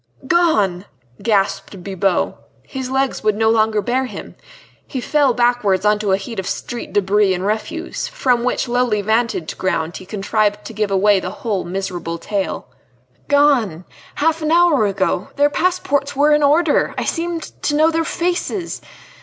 "Gone!" gasped Bibot. His legs would no longer bear him. He fell backwards on to a heap of street debris and refuse, from which lowly vantage ground he contrived to give away the whole miserable tale. "Gone! half an hour ago. Their passports were in order!... I seemed to know their faces!